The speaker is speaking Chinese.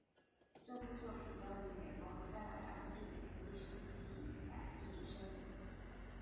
这部作品关于美国和加拿大的地理和历史的记载意义深远。